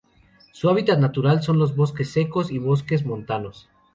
Su hábitat natural son los bosques secos y bosques montanos.